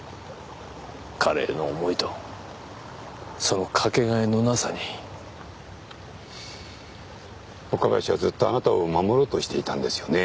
彼への思いとそのかけがえのなさに岡林はずっとあなたを守ろうとしていたんですよね